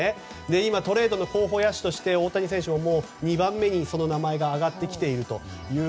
今、トレードの候補野手として大谷選手２番目にその名前が挙がってきていると。